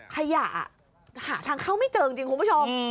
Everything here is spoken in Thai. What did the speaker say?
ขยะหาทางเข้าไม่เจอจริงคุณผู้ชม